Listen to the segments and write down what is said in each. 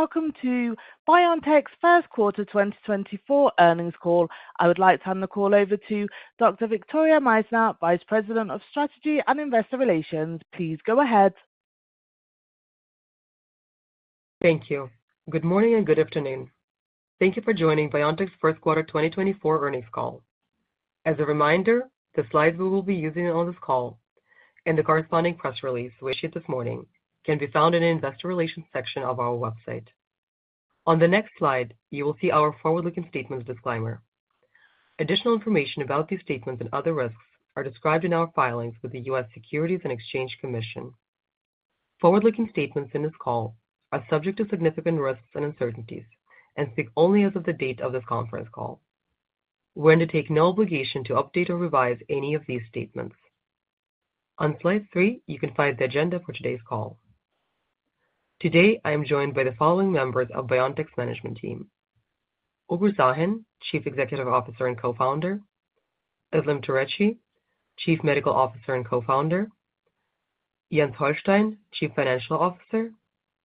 Welcome to BioNTech's first quarter 2024 earnings call. I would like to turn the call over to Dr. Victoria Meissner, Vice President of Strategy and Investor Relations. Please go ahead. Thank you. Good morning, and good afternoon. Thank you for joining BioNTech's first quarter 2024 earnings call. As a reminder, the slides we will be using on this call and the corresponding press release we issued this morning can be found in the Investor Relations section of our website. On the next slide, you will see our forward-looking statements disclaimer. Additional information about these statements and other risks are described in our filings with the U.S. Securities and Exchange Commission. Forward-looking statements in this call are subject to significant risks and uncertainties and speak only as of the date of this conference call. We undertake no obligation to update or revise any of these statements. On slide 3, you can find the agenda for today's call. Today, I am joined by the following members of BioNTech's management team: Uğur Şahin, Chief Executive Officer and Co-founder, Özlem Türeci, Chief Medical Officer and Co-founder, Jens Holstein, Chief Financial Officer,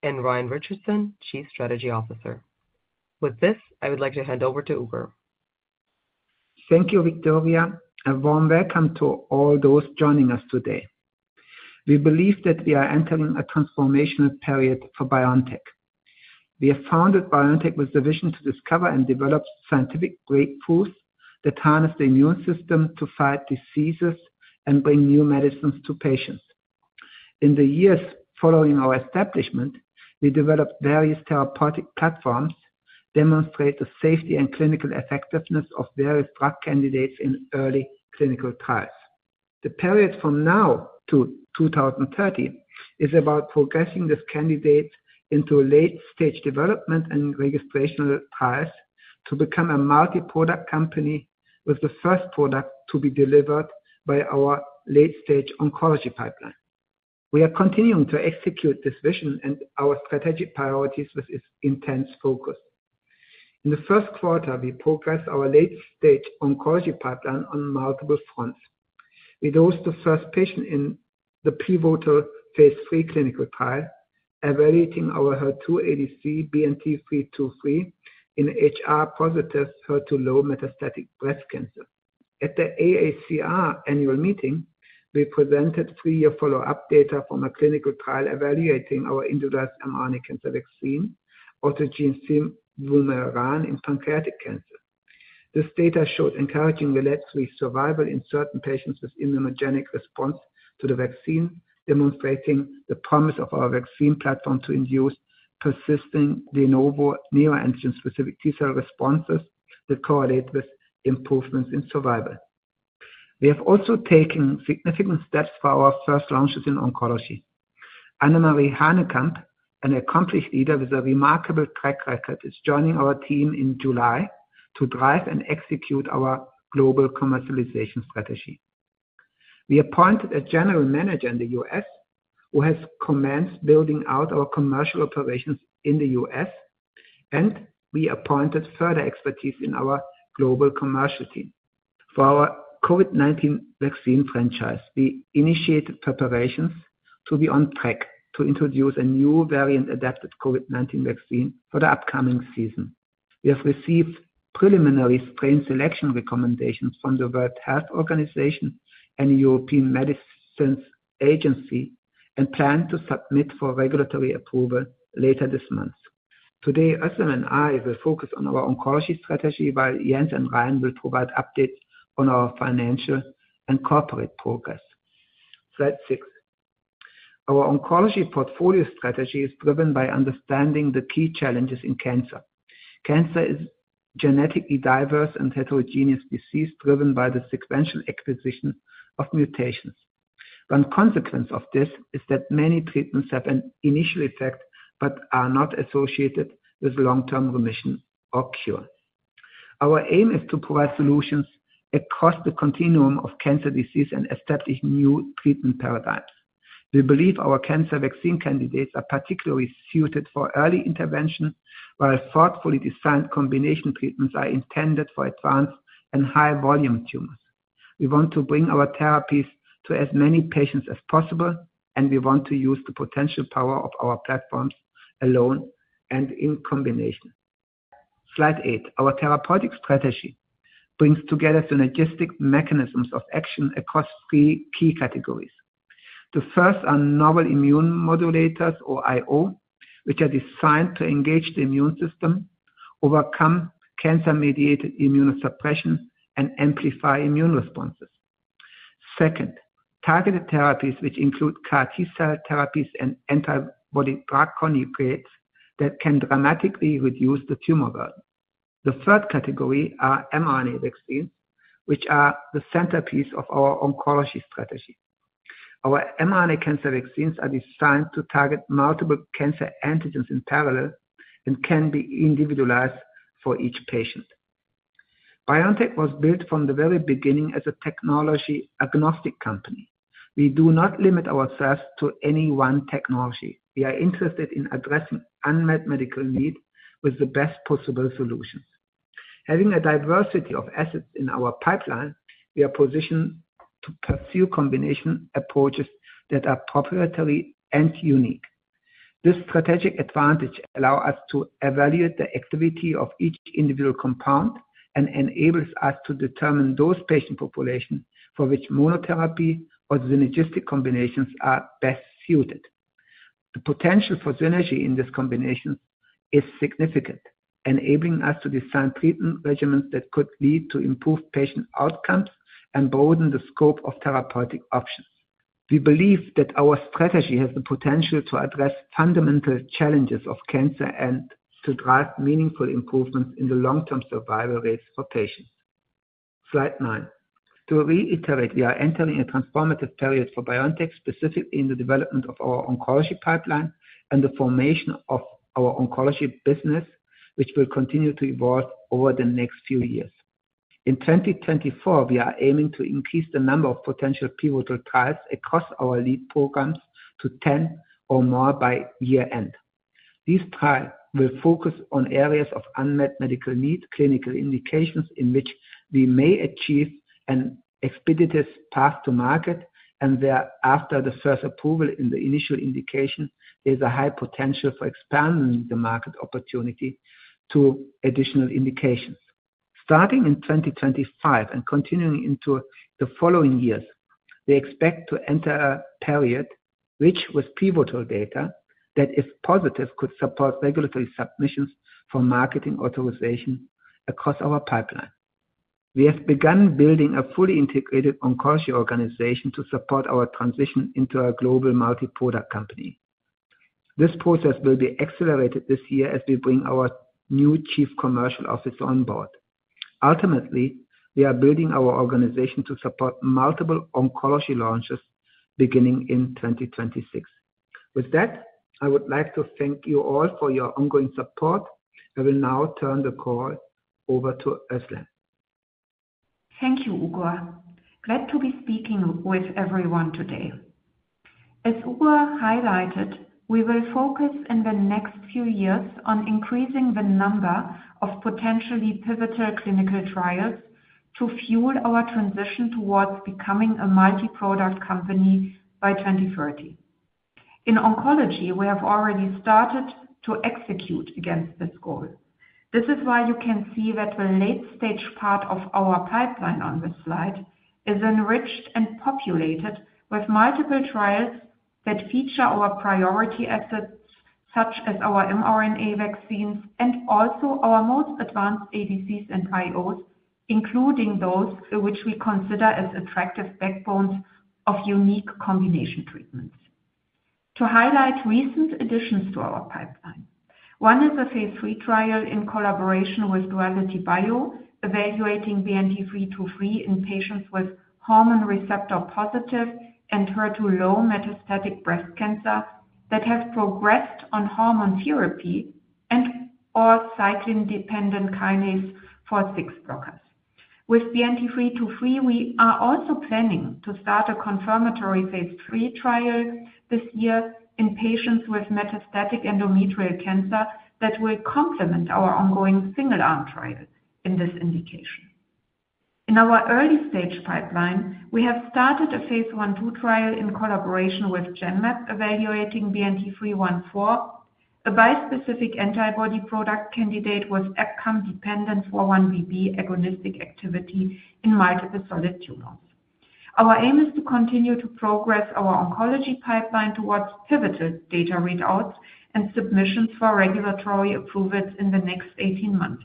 and Ryan Richardson, Chief Strategy Officer. With this, I would like to hand over to Uğur. Thank you, Victoria, and warm welcome to all those joining us today. We believe that we are entering a transformational period for BioNTech. We have founded BioNTech with the vision to discover and develop scientific breakthroughs that harness the immune system to fight diseases and bring new medicines to patients. In the years following our establishment, we developed various therapeutic platforms, demonstrate the safety and clinical effectiveness of various drug candidates in early clinical trials. The period from now to 2030 is about progressing this candidate into a late-stage development and registrational trials to become a multi-product company with the first product to be delivered by our late-stage oncology pipeline. We are continuing to execute this vision and our strategic priorities with its intense focus. In the first quarter, we progressed our late-stage oncology pipeline on multiple fronts. We dosed the first patient in the pivotal phase III clinical trial, evaluating our HER2 ADC BNT323 in HR-positive HER2-low metastatic breast cancer. At the AACR annual meeting, we presented three-year follow-up data from a clinical trial evaluating our individualized mRNA cancer vaccine, autogene cevumeran, in pancreatic cancer. This data showed encouraging relapse-free survival in certain patients with immunogenic response to the vaccine, demonstrating the promise of our vaccine platform to induce persisting de novo neoantigen-specific T-cell responses that correlate with improvements in survival. We have also taken significant steps for our first launches in oncology. Annemarie Hanekamp, an accomplished leader with a remarkable track record, is joining our team in July to drive and execute our global commercialization strategy. We appointed a General Manager in the U.S., who has commenced building out our commercial operations in the U.S., and we appointed further expertise in our global commercial team. For our COVID-19 vaccine franchise, we initiated preparations to be on track to introduce a new variant-adapted COVID-19 vaccine for the upcoming season. We have received preliminary strain selection recommendations from the World Health Organization and European Medicines Agency, and plan to submit for regulatory approval later this month. Today, Özlem and I will focus on our oncology strategy, while Jens and Ryan will provide updates on our financial and corporate progress. Slide 6. Our oncology portfolio strategy is driven by understanding the key challenges in cancer. Cancer is genetically diverse and heterogeneous disease, driven by the sequential acquisition of mutations. One consequence of this is that many treatments have an initial effect but are not associated with long-term remission or cure. Our aim is to provide solutions across the continuum of cancer disease and establish new treatment paradigms. We believe our cancer vaccine candidates are particularly suited for early intervention, while thoughtfully designed combination treatments are intended for advanced and high-volume tumors. We want to bring our therapies to as many patients as possible, and we want to use the potential power of our platforms alone and in combination. Slide 8. Our therapeutic strategy brings together synergistic mechanisms of action across three key categories. The first are novel immune modulators or IO, which are designed to engage the immune system, overcome cancer-mediated immunosuppression, and amplify immune responses. Second, targeted therapies, which include CAR T-cell therapies and antibody-drug conjugates that can dramatically reduce the tumor burden. The third category are mRNA vaccines, which are the centerpiece of our oncology strategy. Our mRNA cancer vaccines are designed to target multiple cancer antigens in parallel and can be individualized for each patient. BioNTech was built from the very beginning as a technology-agnostic company. We do not limit ourselves to any one technology. We are interested in addressing unmet medical need with the best possible solutions.... Having a diversity of assets in our pipeline, we are positioned to pursue combination approaches that are proprietary and unique. This strategic advantage allow us to evaluate the activity of each individual compound and enables us to determine those patient population for which monotherapy or synergistic combinations are best suited. The potential for synergy in this combination is significant, enabling us to design treatment regimens that could lead to improved patient outcomes and broaden the scope of therapeutic options. We believe that our strategy has the potential to address fundamental challenges of cancer and to drive meaningful improvements in the long-term survival rates for patients. Slide 9. To reiterate, we are entering a transformative period for BioNTech, specifically in the development of our oncology pipeline and the formation of our oncology business, which will continue to evolve over the next few years. In 2024, we are aiming to increase the number of potential pivotal trials across our lead programs to 10 or more by year-end. These trials will focus on areas of unmet medical needs, clinical indications in which we may achieve an expeditious path to market, and where after the first approval in the initial indication, there's a high potential for expanding the market opportunity to additional indications. Starting in 2025 and continuing into the following years, we expect to enter a period rich with pivotal data that, if positive, could support regulatory submissions for marketing authorization across our pipeline. We have begun building a fully integrated oncology organization to support our transition into a global multi-product company. This process will be accelerated this year as we bring our new Chief Commercial Officer on board. Ultimately, we are building our organization to support multiple oncology launches beginning in 2026. With that, I would like to thank you all for your ongoing support. I will now turn the call over to Özlem. Thank you, Uğur. Glad to be speaking with everyone today. As Uğur highlighted, we will focus in the next few years on increasing the number of potentially pivotal clinical trials to fuel our transition towards becoming a multi-product company by 2030. In oncology, we have already started to execute against this goal. This is why you can see that the late-stage part of our pipeline on this slide is enriched and populated with multiple trials that feature our priority assets, such as our mRNA vaccines and also our most advanced ADCs and IOs, including those which we consider as attractive backbones of unique combination treatments. To highlight recent additions to our pipeline, one is a phase III trial in collaboration with Duality Biologics, evaluating BNT323 in patients with hormone receptor-positive and HER2-low metastatic breast cancer that have progressed on hormone therapy and/or cyclin-dependent kinase 4/6 blockers. With BNT323, we are also planning to start a confirmatory phase III trial this year in patients with metastatic endometrial cancer that will complement our ongoing single-arm trial in this indication. In our early stage pipeline, we have started a Phase I/II trial in collaboration with Genmab, evaluating BNT314, a bispecific antibody product candidate with EpCAM-dependent 4-1BB agonistic activity in multiple solid tumors. Our aim is to continue to progress our oncology pipeline towards pivotal data readouts and submissions for regulatory approvals in the next 18 months.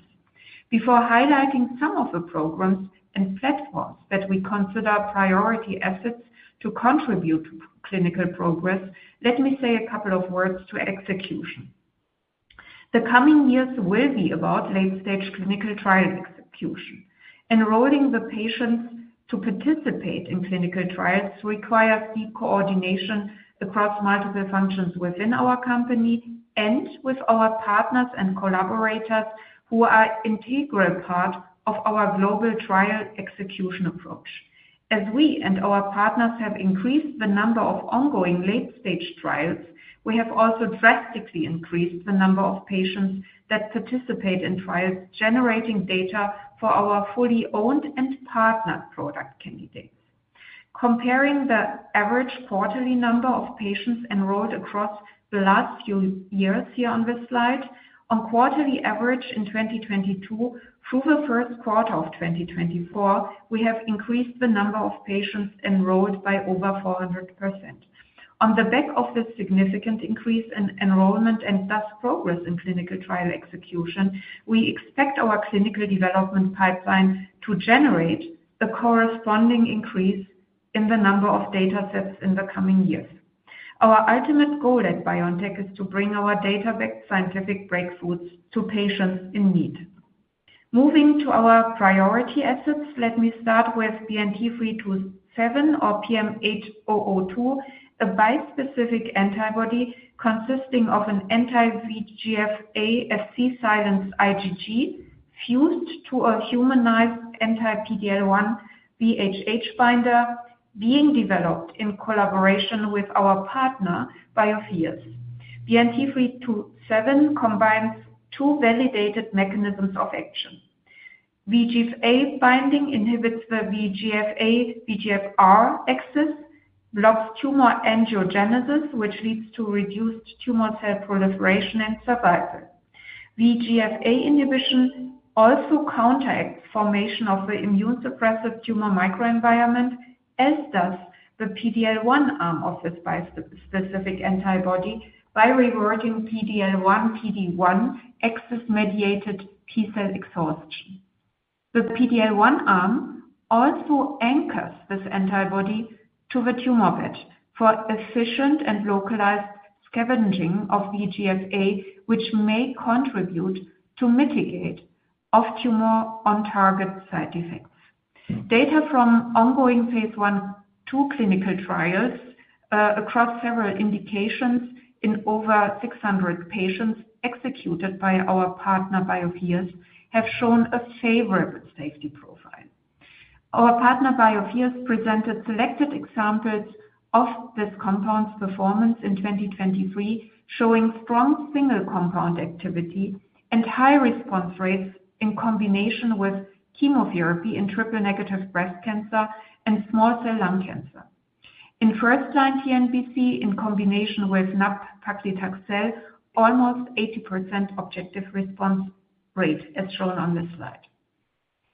Before highlighting some of the programs and platforms that we consider priority assets to contribute to clinical progress, let me say a couple of words to execution. The coming years will be about late-stage clinical trial execution. Enrolling the patients to participate in clinical trials requires deep coordination across multiple functions within our company and with our partners and collaborators who are integral part of our global trial execution approach. As we and our partners have increased the number of ongoing late-stage trials, we have also drastically increased the number of patients that participate in trials, generating data for our fully owned and partnered product candidates. Comparing the average quarterly number of patients enrolled across the last few years here on this slide, on quarterly average in 2022 through the first quarter of 2024, we have increased the number of patients enrolled by over 400%. On the back of this significant increase in enrollment and thus progress in clinical trial execution, we expect our clinical development pipeline to generate a corresponding increase in the number of datasets in the coming years. Our ultimate goal at BioNTech is to bring our data-backed scientific breakthroughs to patients in need. Moving to our priority assets, let me start with BNT327 or PM8002, a bispecific antibody consisting of an anti-VEGF-A Fc-silent IgG, fused to a humanized anti-PD-L1 VHH binder being developed in collaboration with our partner, Biotheus. BNT327 combines two validated mechanisms of action. VEGF-A binding inhibits the VEGF-A, VEGFR axis, blocks tumor angiogenesis, which leads to reduced tumor cell proliferation and survival. VEGF-A inhibition also counteracts formation of the immune suppressive tumor microenvironment, as does the PD-L1 arm of this bispecific antibody by reworking PD-L1, PD-1 axis-mediated T-cell exhaustion. The PD-L1 arm also anchors this antibody to the tumor bed for efficient and localized scavenging of VEGF-A, which may contribute to mitigate off-tumor on target side effects. Data from ongoing phase I/II clinical trials across several indications in over 600 patients executed by our partner, Biotheus, have shown a favorable safety profile. Our partner, Biotheus, presented selected examples of this compound's performance in 2023, showing strong single compound activity and high response rates in combination with chemotherapy in triple-negative breast cancer and small cell lung cancer. In first-line TNBC, in combination with nab-paclitaxel, almost 80% objective response rate, as shown on this slide.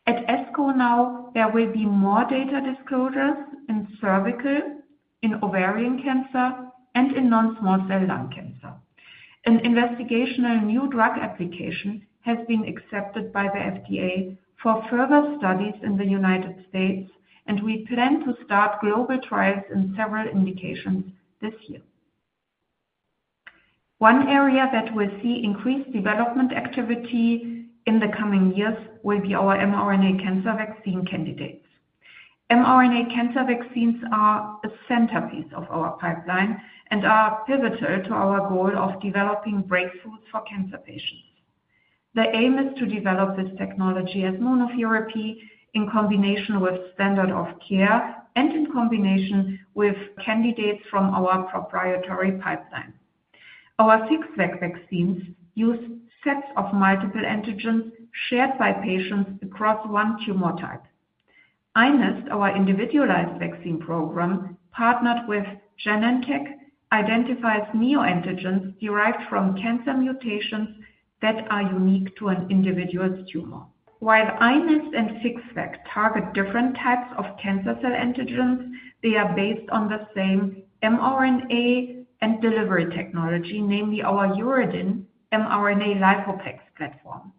At ASCO now, there will be more data disclosures in cervical, in ovarian cancer, and in non-small cell lung cancer. An investigational new drug application has been accepted by the FDA for further studies in the United States, and we plan to start global trials in several indications this year. One area that will see increased development activity in the coming years will be our mRNA cancer vaccine candidates. mRNA cancer vaccines are a centerpiece of our pipeline and are pivotal to our goal of developing breakthroughs for cancer patients. The aim is to develop this technology as monotherapy in combination with standard of care and in combination with candidates from our proprietary pipeline. Our FixVac vaccines use sets of multiple antigens shared by patients across one tumor type. iNeST, our individualized vaccine program, partnered with Genentech, identifies neoantigens derived from cancer mutations that are unique to an individual's tumor. While iNeST and FixVac target different types of cancer cell antigens, they are based on the same mRNA and delivery technology, namely our uridine mRNA lipoplex platform.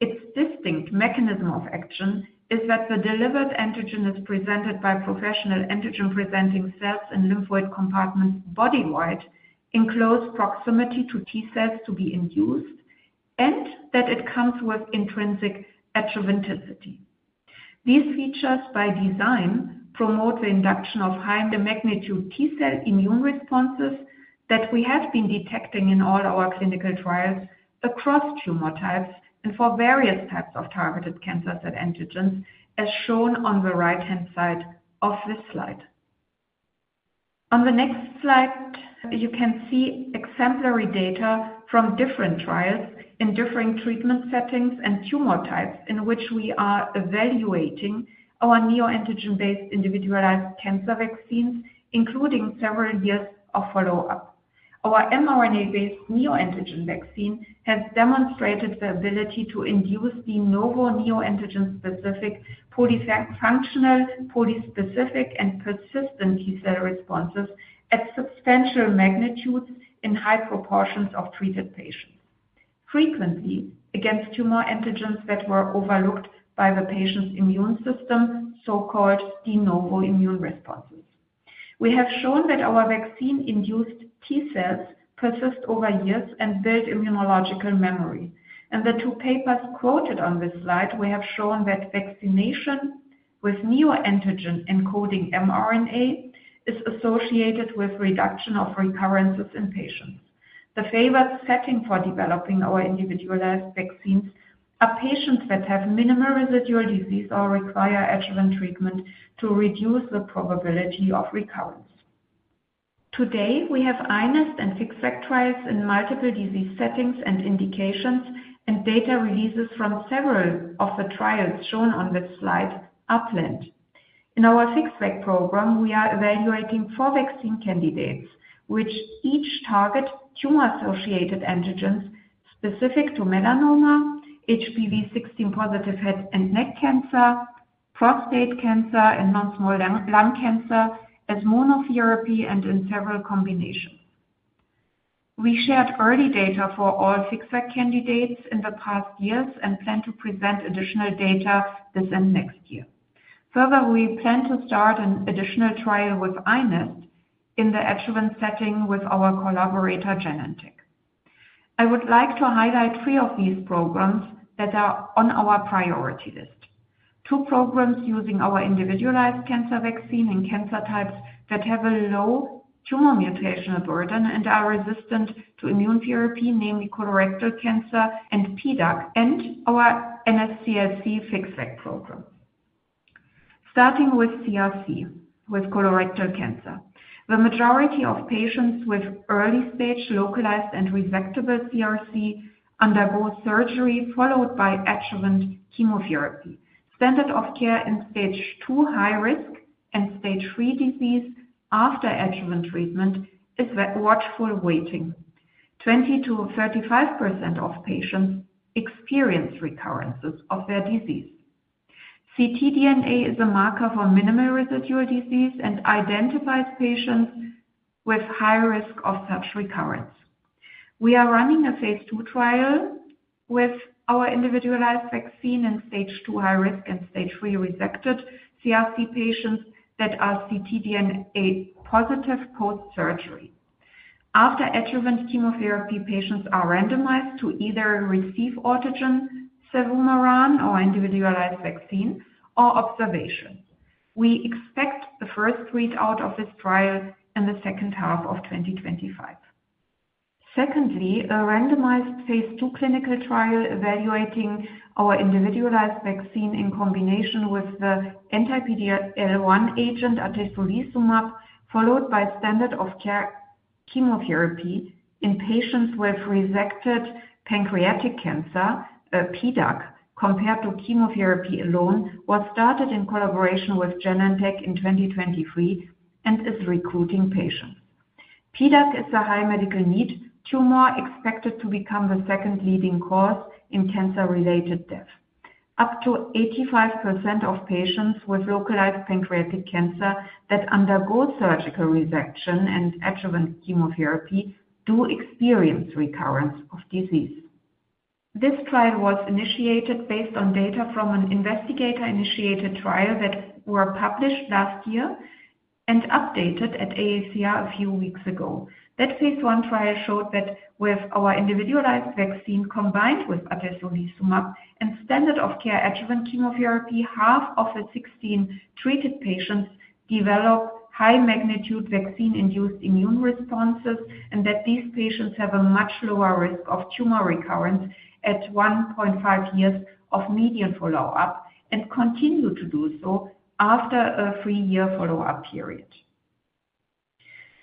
Its distinct mechanism of action is that the delivered antigen is presented by professional antigen-presenting cells and lymphoid compartments body-wide, in close proximity to T-cells to be induced, and that it comes with intrinsic adjuvanticity. These features, by design, promote the induction of high-magnitude T-cell immune responses that we have been detecting in all our clinical trials across tumor types and for various types of targeted cancer cell antigens, as shown on the right-hand side of this slide. On the next slide, you can see exemplary data from different trials in different treatment settings and tumor types in which we are evaluating our neoantigen-based individualized cancer vaccines, including several years of follow-up. Our mRNA-based neoantigen vaccine has demonstrated the ability to induce de novo neoantigen-specific, polyfunctional, polyspecific, and persistent T-cell responses at substantial magnitudes in high proportions of treated patients. Frequently, against tumor antigens that were overlooked by the patient's immune system, so-called de novo immune responses. We have shown that our vaccine-induced T-cells persist over years and build immunological memory. In the two papers quoted on this slide, we have shown that vaccination with neoantigen-encoding mRNA is associated with reduction of recurrences in patients. The favored setting for developing our individualized vaccines are patients that have minimal residual disease or require adjuvant treatment to reduce the probability of recurrence. Today, we have iNeST and FixVac trials in multiple disease settings and indications, and data releases from several of the trials shown on this slide are planned. In our FixVac program, we are evaluating four vaccine candidates, which each target tumor-associated antigens specific to melanoma, HPV-16 positive head and neck cancer, prostate cancer, and non-small cell lung cancer as monotherapy and in several combinations. We shared early data for all FixVac candidates in the past years and plan to present additional data this and next year. Further, we plan to start an additional trial with iNeST in the adjuvant setting with our collaborator, Genentech. I would like to highlight three of these programs that are on our priority list. Two programs using our individualized cancer vaccine in cancer types that have a low tumor mutational burden and are resistant to immune therapy, namely colorectal cancer and PDAC, and our NSCLC FixVac program.... Starting with CRC, with colorectal cancer. The majority of patients with early-stage, localized, and resectable CRC undergo surgery, followed by adjuvant chemotherapy. Standard of care in stage two high-risk and stage three disease after adjuvant treatment is the watchful waiting. 20%-35% of patients experience recurrences of their disease. ctDNA is a marker for minimal residual disease and identifies patients with high risk of such recurrence. We are running a phase II trial with our individualized vaccine in stage two high-risk and stage three resected CRC patients that are ctDNA positive post-surgery. After adjuvant chemotherapy, patients are randomized to either receive autogene cevumeran or individualized vaccine or observation. We expect the first readout of this trial in the second half of 2025. Secondly, a randomized phase II clinical trial evaluating our individualized vaccine in combination with the anti-PD-L1 agent, atezolizumab, followed by standard of care chemotherapy in patients with resected pancreatic cancer, PDAC, compared to chemotherapy alone, was started in collaboration with Genentech in 2023 and is recruiting patients. PDAC is a high medical need tumor expected to become the second leading cause in cancer-related death. Up to 85% of patients with localized pancreatic cancer that undergo surgical resection and adjuvant chemotherapy do experience recurrence of disease. This trial was initiated based on data from an investigator-initiated trial that were published last year and updated at AACR a few weeks ago. That phase I trial showed that with our individualized vaccine combined with atezolizumab and standard of care adjuvant chemotherapy, half of the 16 treated patients developed high magnitude vaccine-induced immune responses, and that these patients have a much lower risk of tumor recurrence at 1.5 years of median follow-up, and continue to do so after a three-year follow-up period.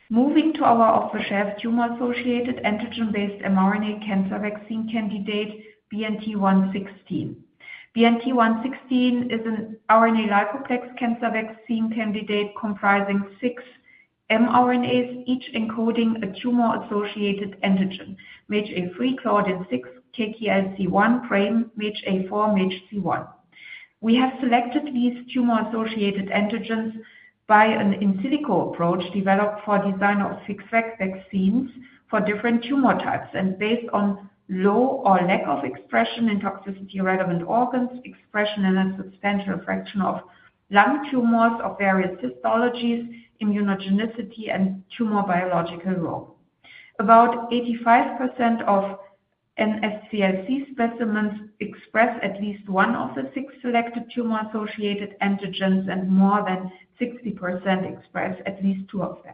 Moving to our off-the-shelf tumor-associated antigen-based mRNA cancer vaccine candidate, BNT116. BNT116 is an RNA-like complex cancer vaccine candidate comprising six mRNAs, each encoding a tumor-associated antigen. MAGE-A3, Claudin-6, KK-LC-1, PRAME, MAGE-A4, MAGE-C1. We have selected these tumor-associated antigens by an in silico approach developed for design of FixVac vaccines for different tumor types, and based on low or lack of expression in toxicity-relevant organs, expression in a substantial fraction of lung tumors of various histologies, immunogenicity, and tumor biological role. About 85% of NSCLC specimens express at least one of the six selected tumor-associated antigens, and more than 60% express at least two of them.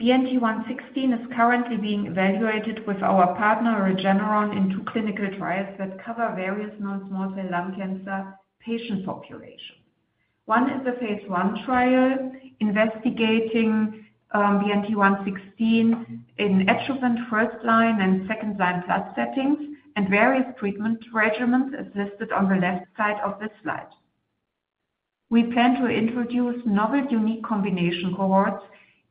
BNT116 is currently being evaluated with our partner, Regeneron, in two clinical trials that cover various non-small cell lung cancer patient population. One is a phase I trial investigating BNT116 in adjuvant first-line and second-line plus settings, and various treatment regimens, as listed on the left side of this slide. We plan to introduce novel, unique combination cohorts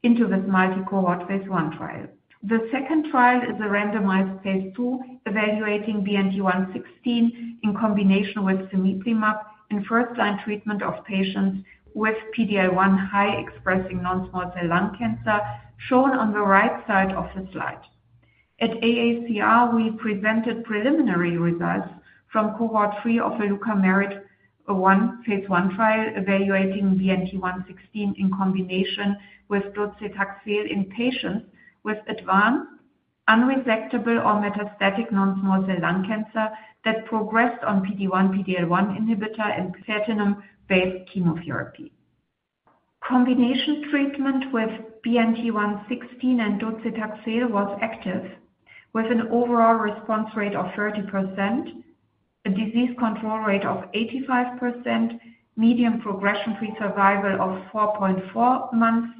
into this multi-cohort phase I trial. The second trial is a randomized phase II, evaluating BNT116 in combination with cemiplimab in first-line treatment of patients with PD-L1 high-expressing non-small cell lung cancer, shown on the right side of the slide. At AACR, we presented preliminary results from cohort three of the LuCa-MERIT-1 phase I trial, evaluating BNT116 in combination with docetaxel in patients with advanced unresectable or metastatic non-small cell lung cancer that progressed on PD-1, PD-L1 inhibitor and platinum-based chemotherapy. Combination treatment with BNT116 and docetaxel was active, with an overall response rate of 30%, a disease control rate of 85%, median progression-free survival of 4.4 months.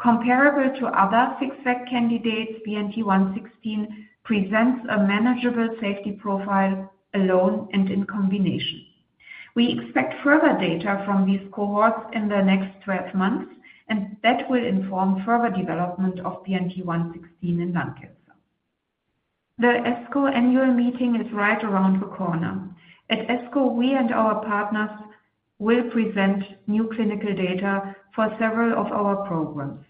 Comparable to other FixVac candidates, BNT116 presents a manageable safety profile alone and in combination. We expect further data from these cohorts in the next 12 months, and that will inform further development of BNT116 in lung cancer. The ASCO annual meeting is right around the corner. At ASCO, we and our partners will present new clinical data for several of our programs.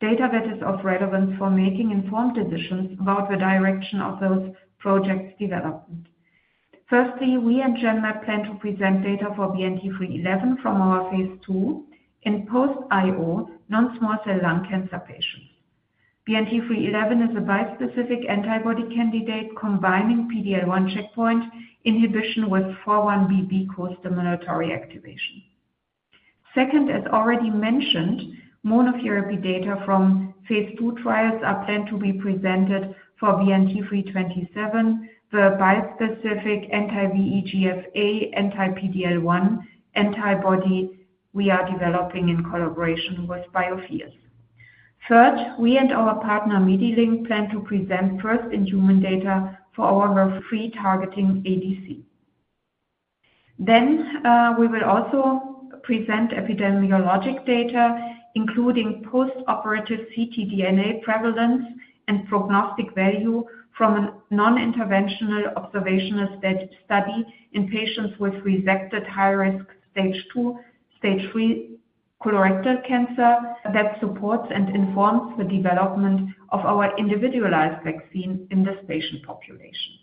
Data that is of relevance for making informed decisions about the direction of those projects' development. Firstly, we and Genmab plan to present data for BNT311 from our phase II in post-IO non-small cell lung cancer patients. BNT311 is a bispecific antibody candidate combining PD-L1 checkpoint inhibition with 4-1BB costimulatory activation. Second, as already mentioned, monotherapy data from phase II trials are planned to be presented for BNT327, the bispecific anti-VEGF-A, anti-PD-L1 antibody we are developing in collaboration with Biotheus. Third, we and our partner, MediLink, plan to present first in human data for our HER3-targeting ADC. Then, we will also present epidemiologic data, including post-operative ctDNA prevalence and prognostic value from a non-interventional observational study in patients with resected high risk stage two, stage three colorectal cancer, that supports and informs the development of our individualized vaccine in this patient population.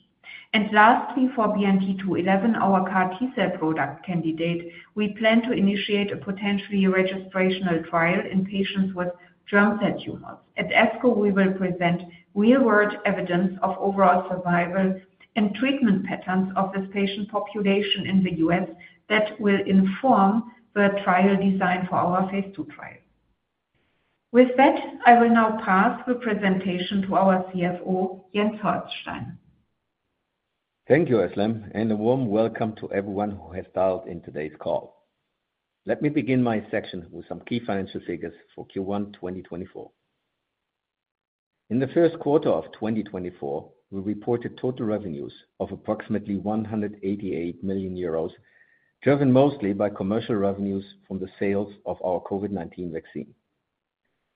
And lastly, for BNT211, our CAR T-cell product candidate, we plan to initiate a potentially registrational trial in patients with germ cell tumors. At ASCO, we will present real-world evidence of overall survival and treatment patterns of this patient population in the U.S., that will inform the trial design for our phase II trial. With that, I will now pass the presentation to our CFO, Jens Holstein. Thank you, Özlem, and a warm welcome to everyone who has dialed in today's call. Let me begin my section with some key financial figures for Q1 2024. In the first quarter of 2024, we reported total revenues of approximately 188 million euros, driven mostly by commercial revenues from the sales of our COVID-19 vaccine.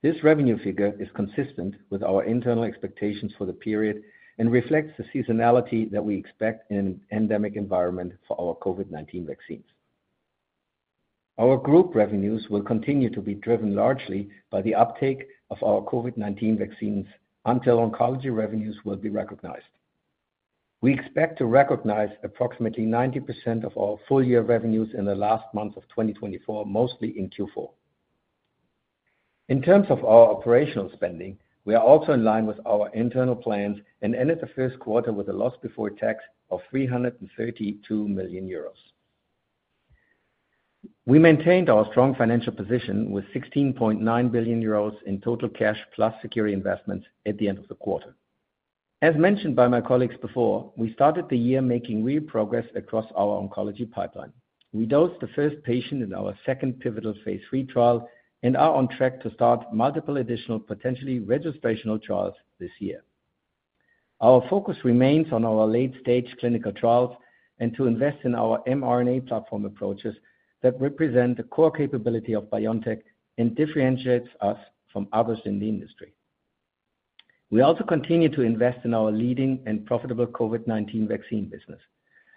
This revenue figure is consistent with our internal expectations for the period and reflects the seasonality that we expect in an endemic environment for our COVID-19 vaccines. Our group revenues will continue to be driven largely by the uptake of our COVID-19 vaccines, until oncology revenues will be recognized. We expect to recognize approximately 90% of our full year revenues in the last month of 2024, mostly in Q4. In terms of our operational spending, we are also in line with our internal plans and ended the first quarter with a loss before tax of 332 million euros. We maintained our strong financial position with 16.9 billion euros in total cash plus security investments at the end of the quarter. As mentioned by my colleagues before, we started the year making real progress across our oncology pipeline. We dosed the first patient in our second pivotal phase III trial and are on track to start multiple additional potentially registrational trials this year. Our focus remains on our late stage clinical trials and to invest in our mRNA platform approaches that represent the core capability of BioNTech and differentiates us from others in the industry. We also continue to invest in our leading and profitable COVID-19 vaccine business.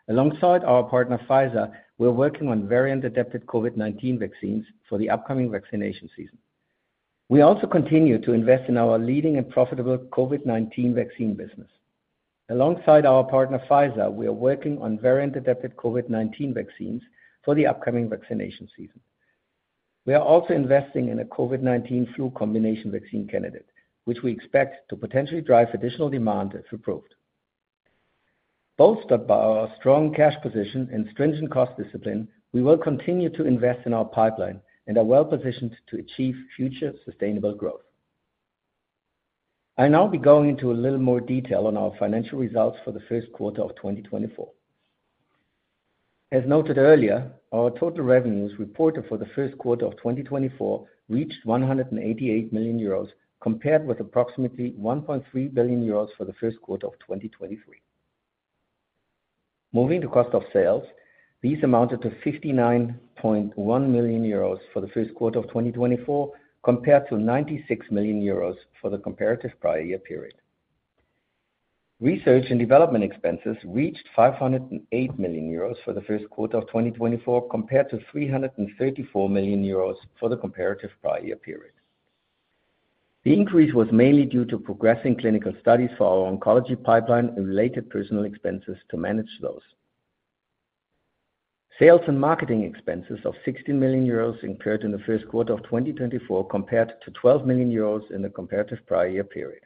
Alongside our partner, Pfizer, we're working on variant-adapted COVID-19 vaccines for the upcoming vaccination season. We also continue to invest in our leading and profitable COVID-19 vaccine business. Alongside our partner, Pfizer, we are working on variant-adapted COVID-19 vaccines for the upcoming vaccination season. We are also investing in a COVID-19 flu combination vaccine candidate, which we expect to potentially drive additional demand if approved. Bolstered by our strong cash position and stringent cost discipline, we will continue to invest in our pipeline and are well positioned to achieve future sustainable growth. I'll now be going into a little more detail on our financial results for the first quarter of 2024. As noted earlier, our total revenues reported for the first quarter of 2024 reached 188 million euros, compared with approximately 1.3 billion euros for the first quarter of 2023. Moving to cost of sales, these amounted to 59.1 million euros for the first quarter of 2024, compared to 96 million euros for the comparative prior year period. Research and development expenses reached 508 million euros for the first quarter of 2024, compared to 334 million euros for the comparative prior year period. The increase was mainly due to progressing clinical studies for our oncology pipeline and related personnel expenses to manage those. Sales and marketing expenses of 60 million euros incurred in the first quarter of 2024, compared to 12 million euros in the comparative prior year period.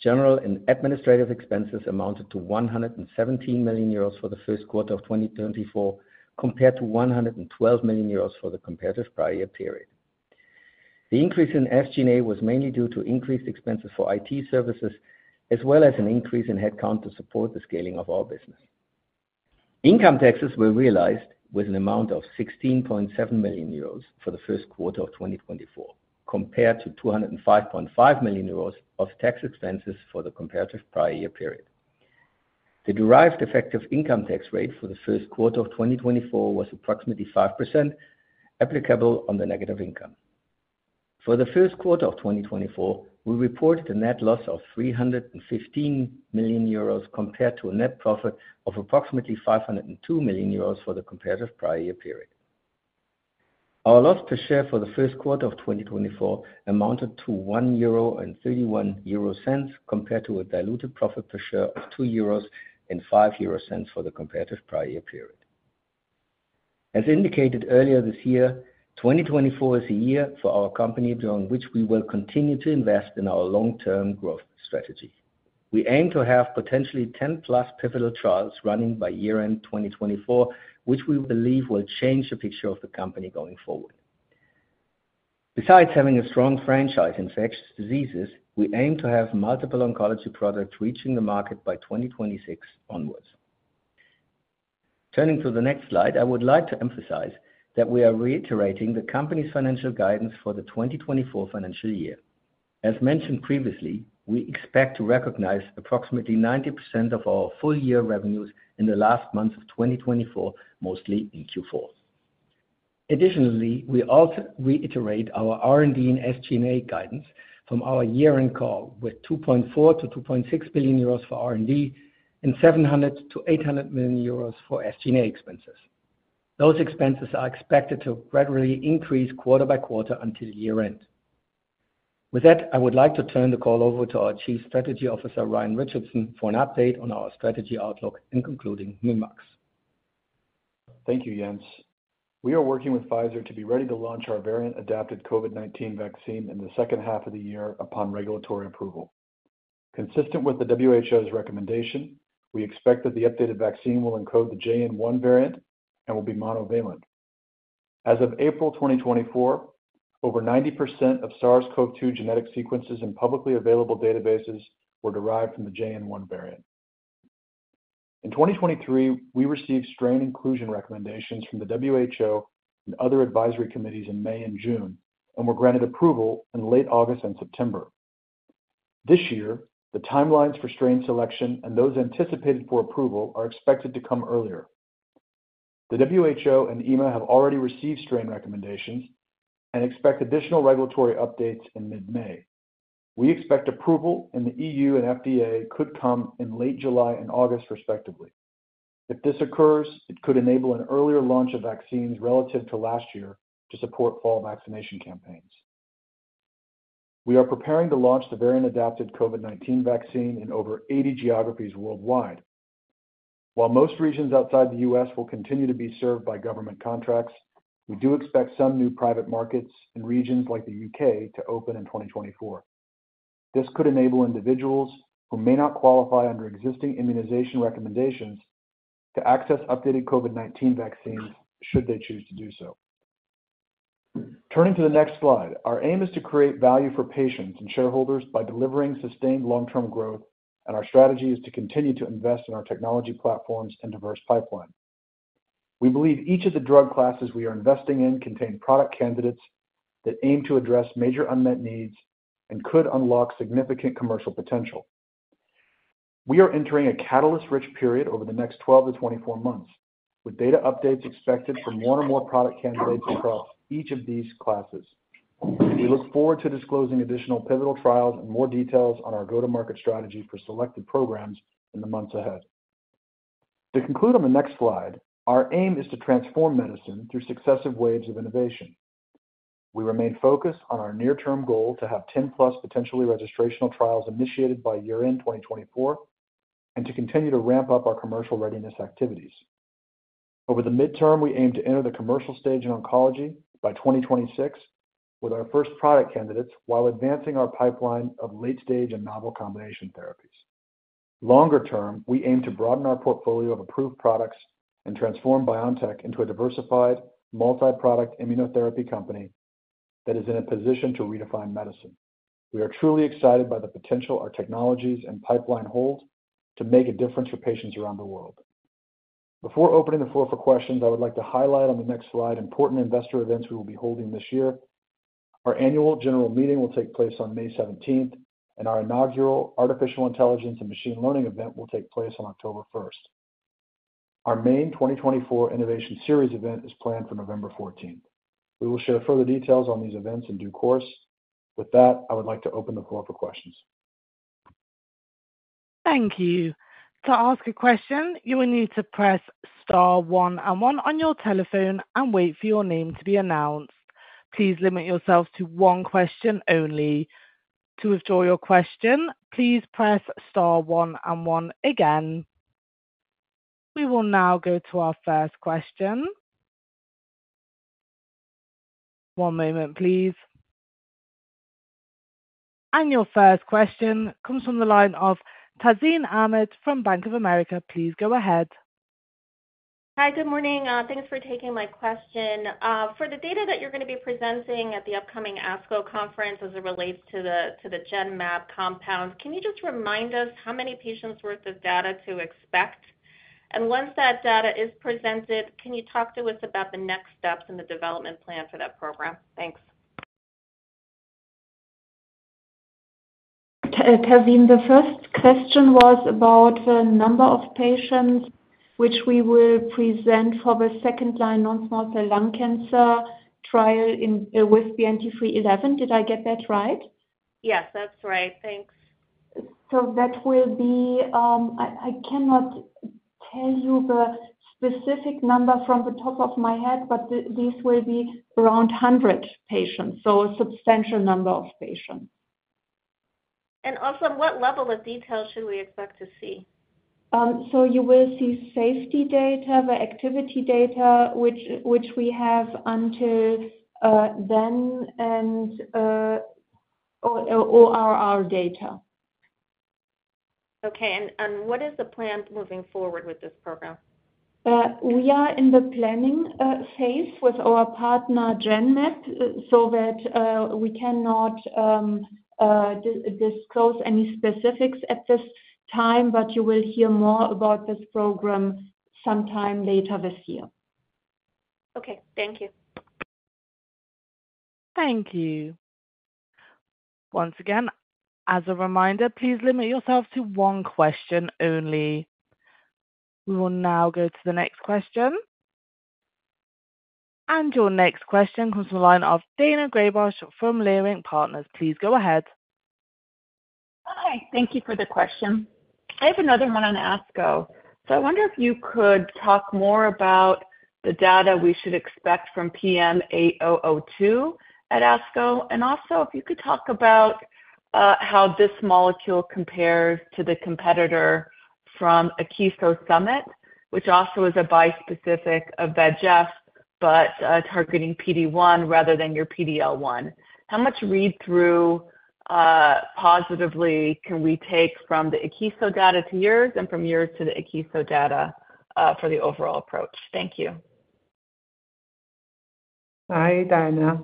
General and administrative expenses amounted to 117 million euros for the first quarter of 2024, compared to 112 million euros for the comparative prior year period. The increase in SG&A was mainly due to increased expenses for IT services, as well as an increase in headcount to support the scaling of our business. Income taxes were realized with an amount of 16.7 million euros for the first quarter of 2024, compared to 205.5 million euros of tax expenses for the comparative prior year period. The derived effective income tax rate for the first quarter of 2024 was approximately 5%, applicable on the negative income. For the first quarter of 2024, we reported a net loss of 315 million euros, compared to a net profit of approximately 502 million euros for the comparative prior year period. Our loss per share for the first quarter of 2024 amounted to 1.31 euro, compared to a diluted profit per share of 2.05 euros for the comparative prior year period. As indicated earlier this year, 2024 is a year for our company, during which we will continue to invest in our long-term growth strategy... We aim to have potentially 10+ pivotal trials running by year-end 2024, which we believe will change the picture of the company going forward. Besides having a strong franchise in infectious diseases, we aim to have multiple oncology products reaching the market by 2026 onwards. Turning to the next slide, I would like to emphasize that we are reiterating the company's financial guidance for the 2024 financial year. As mentioned previously, we expect to recognize approximately 90% of our full year revenues in the last month of 2024, mostly in Q4. Additionally, we also reiterate our R&D and SG&A guidance from our year-end call, with 2.4 billion-2.6 billion euros for R&D and 700 million-800 million euros for SG&A expenses. Those expenses are expected to gradually increase quarter by quarter until year-end. With that, I would like to turn the call over to our Chief Strategy Officer, Ryan Richardson, for an update on our strategy outlook and concluding remarks. Thank you, Jens. We are working with Pfizer to be ready to launch our variant-adapted COVID-19 vaccine in the second half of the year upon regulatory approval. Consistent with the WHO's recommendation, we expect that the updated vaccine will encode the JN.1 variant and will be monovalent. As of April 2024, over 90% of SARS-CoV-2 genetic sequences in publicly available databases were derived from the JN.1 variant. In 2023, we received strain inclusion recommendations from the WHO and other advisory committees in May and June, and were granted approval in late August and September. This year, the timelines for strain selection and those anticipated for approval are expected to come earlier. The WHO and EMA have already received strain recommendations and expect additional regulatory updates in mid-May. We expect approval in the EU and FDA could come in late July and August, respectively. If this occurs, it could enable an earlier launch of vaccines relative to last year to support fall vaccination campaigns. We are preparing to launch the variant-adapted COVID-19 vaccine in over 80 geographies worldwide. While most regions outside the U.S. will continue to be served by government contracts, we do expect some new private markets in regions like the U.K. to open in 2024. This could enable individuals who may not qualify under existing immunization recommendations to access updated COVID-19 vaccines should they choose to do so. Turning to the next slide, our aim is to create value for patients and shareholders by delivering sustained long-term growth, and our strategy is to continue to invest in our technology platforms and diverse pipeline. We believe each of the drug classes we are investing in contain product candidates that aim to address major unmet needs and could unlock significant commercial potential. We are entering a catalyst-rich period over the next 12-24 months, with data updates expected from more and more product candidates across each of these classes. We look forward to disclosing additional pivotal trials and more details on our go-to-market strategy for selected programs in the months ahead. To conclude on the next slide, our aim is to transform medicine through successive waves of innovation. We remain focused on our near-term goal to have 10+ potentially registrational trials initiated by year-end 2024, and to continue to ramp up our commercial readiness activities. Over the midterm, we aim to enter the commercial stage in oncology by 2026 with our first product candidates, while advancing our pipeline of late-stage and novel combination therapies. Longer term, we aim to broaden our portfolio of approved products and transform BioNTech into a diversified, multi-product immunotherapy company that is in a position to redefine medicine. We are truly excited by the potential our technologies and pipeline hold to make a difference for patients around the world. Before opening the floor for questions, I would like to highlight on the next slide important investor events we will be holding this year. Our annual general meeting will take place on May 17, and our inaugural Artificial Intelligence and Machine Learning event will take place on October 1. Our main 2024 innovation series event is planned for November 14. We will share further details on these events in due c ourse. With that, I would like to open the floor for questions. Thank you. To ask a question, you will need to press star one and one on your telephone and wait for your name to be announced. Please limit yourselves to one question only. To withdraw your question, please press star one and one again. We will now go to our first question. One moment, please. Your first question comes from the line of Tazeen Ahmad from Bank of America. Please go ahead. Hi, good morning. Thanks for taking my question. For the data that you're going to be presenting at the upcoming ASCO conference as it relates to the Genmab compound, can you just remind us how many patients worth of data to expect? And once that data is presented, can you talk to us about the next steps in the development plan for that program? Thanks. Tazeen, the first question was about the number of patients which we will present for the second line on small cell lung cancer trial with BNT311. Did I get that right? Yes, that's right. Thanks. So that will be, I cannot tell you the specific number from the top of my head, but this will be around 100 patients, so a substantial number of patients. Also, what level of detail should we expect to see? ... so you will see safety data, the activity data, which we have until then and or our data. Okay. And what is the plan moving forward with this program? We are in the planning phase with our partner, Genmab, so that we cannot disclose any specifics at this time, but you will hear more about this program sometime later this year. Okay, thank you. Thank you. Once again, as a reminder, please limit yourself to one question only. We will now go to the next question. Your next question comes from the line of Daina Graybosch from Leerink Partners. Please go ahead. Hi, thank you for the question. I have another one on ASCO. So I wonder if you could talk more about the data we should expect from PM8002 at ASCO, and also if you could talk about, how this molecule compares to the competitor from Akeso Summit, which also is a bispecific of VEGF, but, targeting PD-1 rather than your PD-L1. How much read-through, positively can we take from the Akeso data to yours and from yours to the Akeso data, for the overall approach? Thank you. Hi, Daina.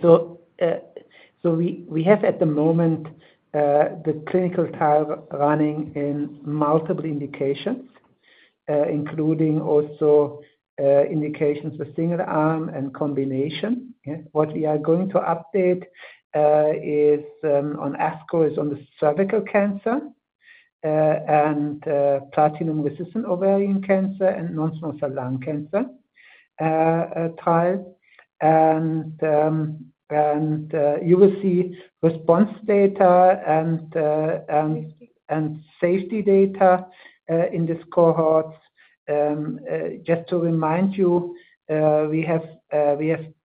So we have at the moment the clinical trial running in multiple indications, including also indications for single arm and combination. Yeah. What we are going to update is on ASCO, is on the cervical cancer and platinum-resistant ovarian cancer and non-small cell lung cancer trial. You will see response data and safety data in this cohorts. Just to remind you, we have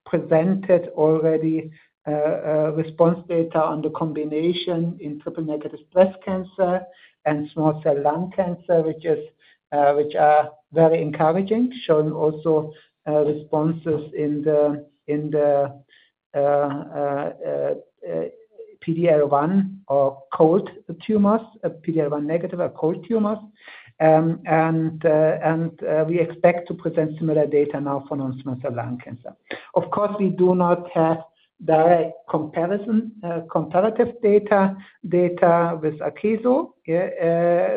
presented already response data on the combination in triple-negative breast cancer and small cell lung cancer, which are very encouraging, showing also responses in the PD-L1 negative or cold tumors. We expect to present similar data now for non-small cell lung cancer. Of course, we do not have direct comparative data with Akeso,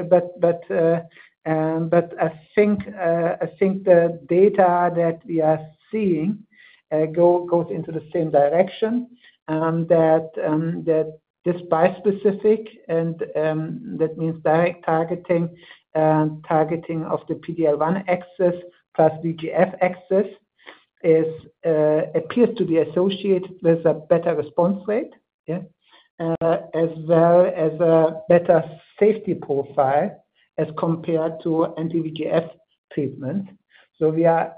but I think the data that we are seeing goes into the same direction, that this bispecific, that means direct targeting of the PD-L1 axis plus VEGF axis, appears to be associated with a better response rate, as well as a better safety profile as compared to anti-VEGF treatment. So we are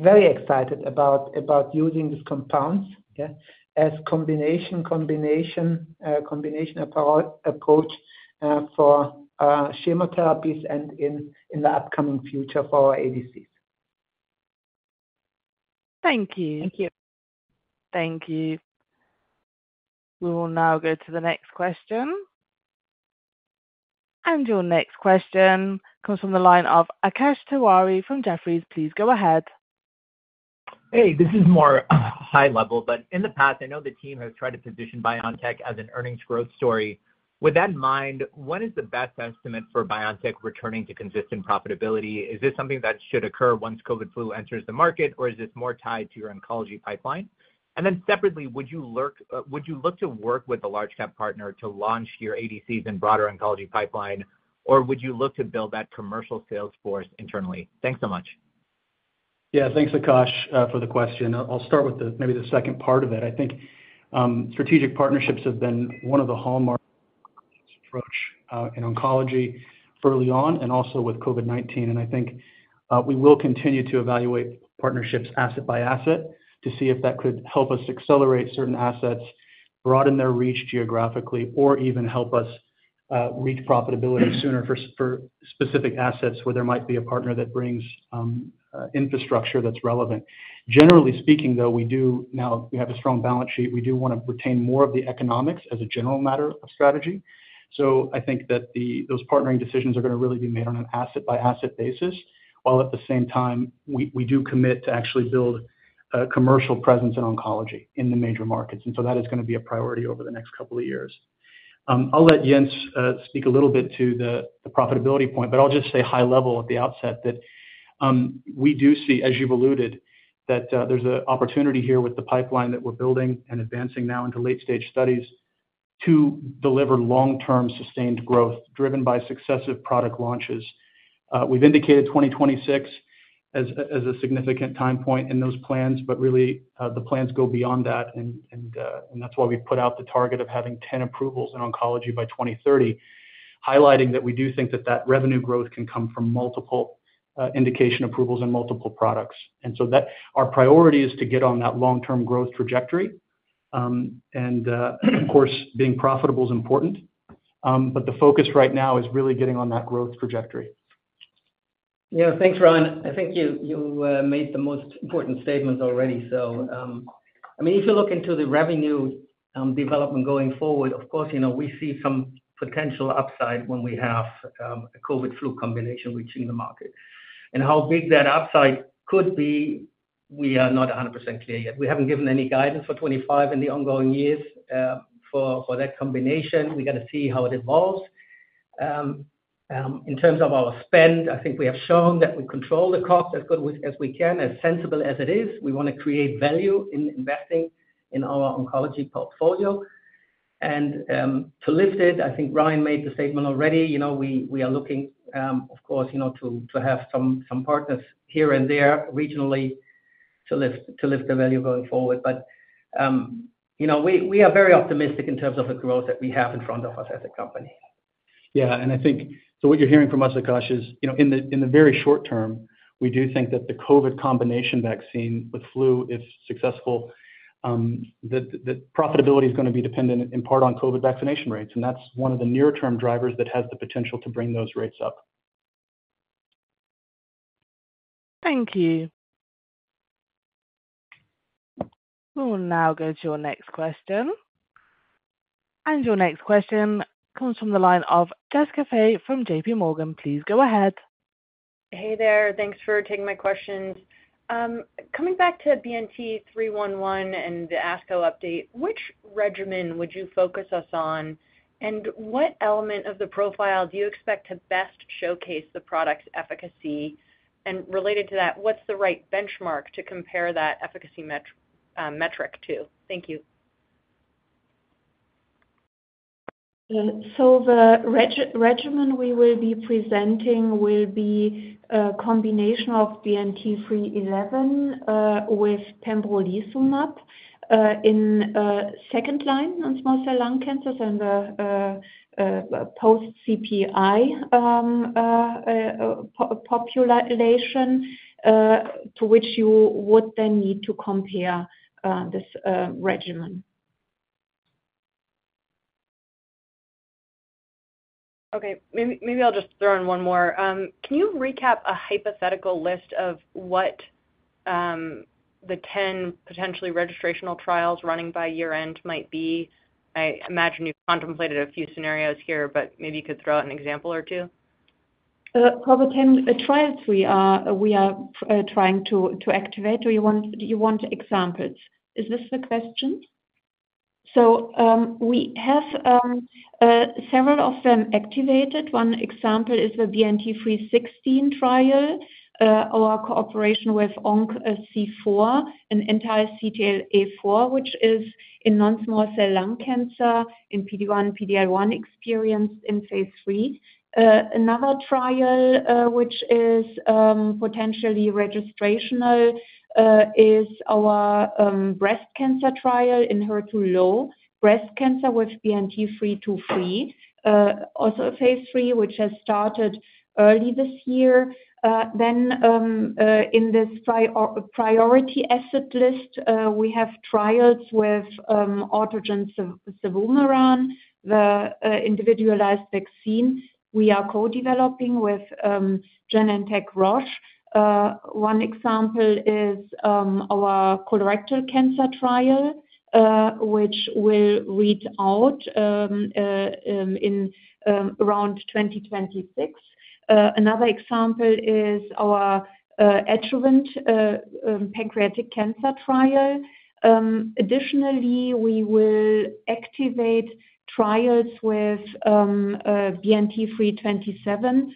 very excited about using these compounds as combination approach for chemotherapies and in the upcoming future for our ADCs. Thank you. Thank you. Thank you. We will now go to the next question. Your next question comes from the line of Akash Tewari from Jefferies. Please go ahead. Hey, this is more high level, but in the past, I know the team has tried to position BioNTech as an earnings growth story. With that in mind, what is the best estimate for BioNTech returning to consistent profitability? Is this something that should occur once COVID flu enters the market, or is this more tied to your oncology pipeline? And then separately, would you look to work with a large cap partner to launch your ADCs and broader oncology pipeline, or would you look to build that commercial sales force internally? Thanks so much. Yeah, thanks, Akash, for the question. I'll start with the, maybe the second part of it. I think, strategic partnerships have been one of the hallmarks approach, in oncology early on, and also with COVID-19. And I think, we will continue to evaluate partnerships asset by asset to see if that could help us accelerate certain assets, broaden their reach geographically, or even help us, reach profitability sooner for for specific assets where there might be a partner that brings, infrastructure that's relevant. Generally speaking, though, we do now, we have a strong balance sheet. We do want to retain more of the economics as a general matter of strategy. So I think that those partnering decisions are going to really be made on an asset-by-asset basis, while at the same time, we do commit to actually build a commercial presence in oncology in the major markets. And so that is going to be a priority over the next couple of years. I'll let Jens speak a little bit to the profitability point, but I'll just say high level at the outset, that we do see, as you've alluded, that there's an opportunity here with the pipeline that we're building and advancing now into late-stage studies to deliver long-term sustained growth, driven by successive product launches. We've indicated 2026 as, as a significant time point in those plans, but really, the plans go beyond that, and that's why we put out the target of having 10 approvals in oncology by 2030, highlighting that we do think that that revenue growth can come from multiple, indication approvals and multiple products. And so that our priority is to get on that long-term growth trajectory. ... and, of course, being profitable is important. But the focus right now is really getting on that growth trajectory. Yeah, thanks, Ryan. I think you made the most important statement already. So, I mean, if you look into the revenue development going forward, of course, you know, we see some potential upside when we have a COVID flu combination reaching the market. And how big that upside could be, we are not 100% clear yet. We haven't given any guidance for 25 in the ongoing years, for that combination. We're gonna see how it evolves. In terms of our spend, I think we have shown that we control the cost as good as we can, as sensible as it is. We wanna create value in investing in our oncology portfolio. To lift it, I think Ryan made the statement already, you know, we are looking, of course, you know, to have some partners here and there regionally, to lift the value going forward. But, you know, we are very optimistic in terms of the growth that we have in front of us as a company. Yeah, and I think so what you're hearing from us, Akash, is, you know, in the very short term, we do think that the COVID combination vaccine with flu is successful, that profitability is gonna be dependent in part on COVID vaccination rates, and that's one of the near-term drivers that has the potential to bring those rates up. Thank you. We will now go to your next question. Your next question comes from the line of Jessica Fye from JPMorgan. Please go ahead. Hey there. Thanks for taking my questions. Coming back to BNT311 and the ASCO update, which regimen would you focus us on? And what element of the profile do you expect to best showcase the product's efficacy? And related to that, what's the right benchmark to compare that efficacy metric to? Thank you. So the regimen we will be presenting will be a combination of BNT311 with pembrolizumab in second line non-small cell lung cancers and post CPI population to which you would then need to compare this regimen. Okay, maybe, maybe I'll just throw in one more. Can you recap a hypothetical list of what the 10 potentially registrational trials running by year-end might be? I imagine you've contemplated a few scenarios here, but maybe you could throw out an example or two. For the 10 trials we are trying to activate, or you want examples? Is this the question? So, we have several of them activated. One example is the BNT316 trial, our cooperation with OncoC4, an anti-CTLA-4, which is in non-small cell lung cancer, in PD-1, PD-L1 experienced in phase III. Another trial, which is potentially registrational, is our breast cancer trial in HER2-low breast cancer, which BNT323, also a phase III, which has started early this year. Then, in this priority asset list, we have trials with autogene cevumeran, the individualized vaccine we are co-developing with Genentech Roche. One example is our colorectal cancer trial, which will read out in around 2026. Another example is our adjuvant pancreatic cancer trial. Additionally, we will activate trials with BNT327,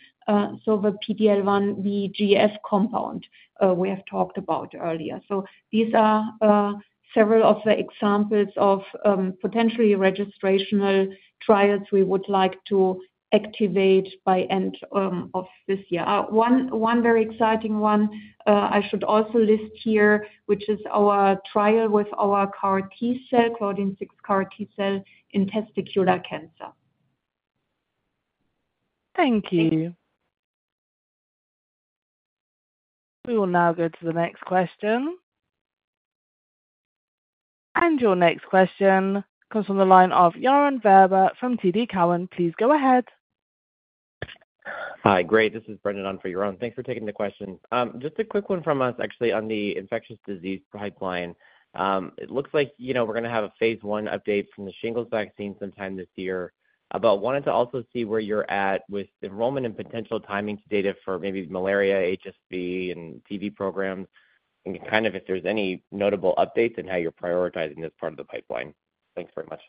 so the PD-L1 VEGF compound we have talked about earlier. So these are several of the examples of potentially registrational trials we would like to activate by end of this year. One very exciting one I should also list here, which is our trial with our CAR T-cell, Claudin-6 CAR T-cell in testicular cancer. Thank you. We will now go to the next question. Your next question comes from the line of Yaron Werber from TD Cowen. Please go ahead. Hi, great. This is Brendan on for Yaron. Thanks for taking the question. Just a quick one from us, actually, on the infectious disease pipeline. It looks like, you know, we're gonna have a phase I update from the shingles vaccine sometime this year. But wanted to also see where you're at with enrollment and potential timing data for maybe malaria, HSV and TB programs, and kind of if there's any notable updates on how you're prioritizing this part of the pipeline. Thanks very much.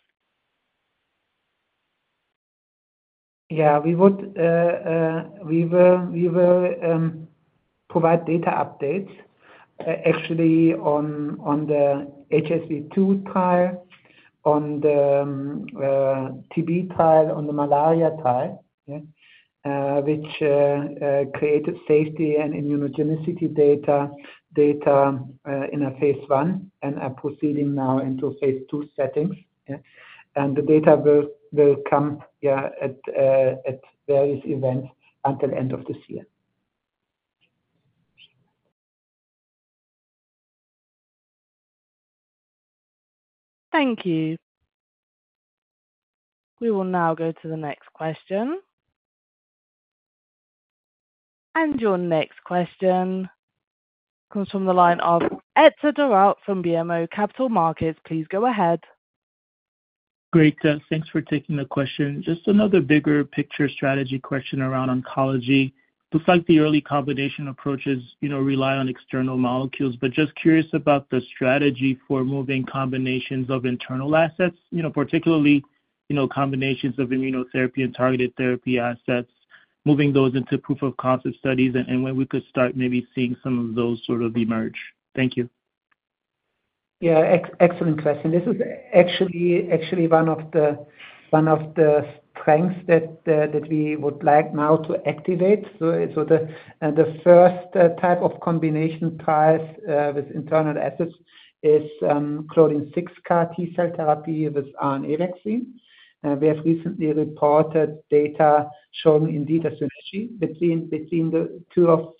Yeah, we will provide data updates, actually on the HSV-2 trial, on the TB trial, on the malaria trial, yeah. Which created safety and immunogenicity data in a phase I, and are proceeding now into phase II settings, yeah. The data will come, yeah, at various events until end of this year.... Thank you. We will now go to the next question. Your next question comes from the line of Etzer Darout from BMO Capital Markets. Please go ahead. Great, thanks for taking the question. Just another bigger picture strategy question around oncology. Looks like the early combination approaches, you know, rely on external molecules, but just curious about the strategy for moving combinations of internal assets, you know, particularly, you know, combinations of immunotherapy and targeted therapy assets, moving those into proof of concept studies and, and when we could start maybe seeing some of those sort of emerge. Thank you. Yeah, excellent question. This is actually one of the strengths that we would like now to activate. So the first type of combination trials with internal assets is CLDN6 CAR T-cell therapy with RNA vaccine. We have recently reported data showing indeed a synergy between the two of